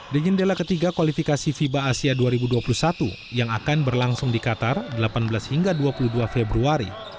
di jendela ketiga kualifikasi fiba asia dua ribu dua puluh satu yang akan berlangsung di qatar delapan belas hingga dua puluh dua februari